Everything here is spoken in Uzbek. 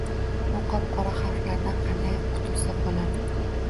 Bu qop-qora harflardan qanday qutulsa bo‘ladi?